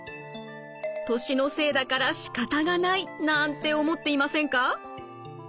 年のせいだからしかたがないなんて思っていませんか？